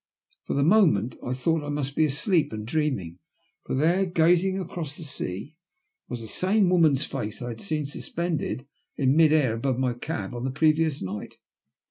For the moment I thought I must be asleep and dreaming, for there, gazing across the sea, was the same woman's face I had seen suspended in mid air above my cab on the previous night.